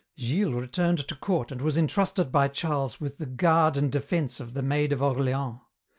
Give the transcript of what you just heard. "Gilles returned to court and was entrusted by Charles with the 'guard and defence' of the Maid of Orleans.